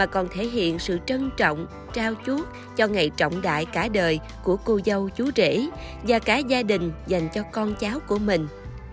còn thể hiện sự trân trọng trao chuốt cho ngày trọng đại cả đời của cô dâu chú rể và cả gia đình dành cho con cháu của mình